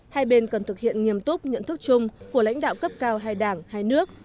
hai bên cần thực hiện nghiêm túc nhận thức chung của lãnh đạo cấp cao hai đảng hai nước